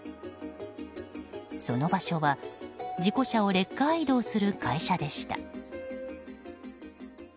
その場所は、事故車をレッカー移動する会社でした。